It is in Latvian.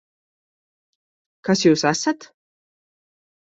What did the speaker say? Kas jūs esat?